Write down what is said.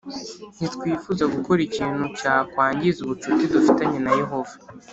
Ntitwifuza gukora ikintu cyakwangiza ubucuti dufitanye na Yehova